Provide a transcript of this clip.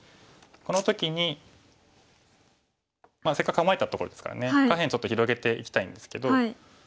この時にせっかく構えたところですからね下辺ちょっと広げていきたいんですけど。